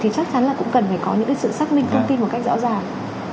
thì chắc chắn là cũng cần phải có những sự xác minh thông tin một cách rõ ràng